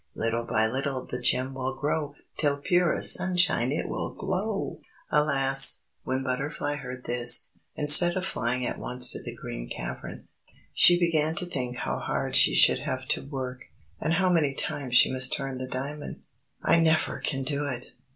Little by little the gem will grow, Till pure as sunshine it will glow!_" Alas! when Butterfly heard this, instead of flying at once to the Green Cavern, she began to think how hard she should have to work, and how many times she must turn the diamond. "I never can do it!"